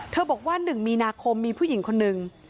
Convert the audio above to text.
บอกว่า๑มีนาคมมีผู้หญิงคนหนึ่ง